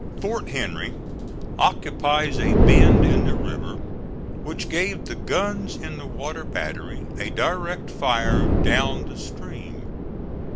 Fort Henry occupies a bend in the river which gave the guns in the water battery a direct fire down the stream.